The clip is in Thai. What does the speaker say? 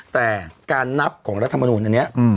แต่การนับของรัฐมนูลอันนี้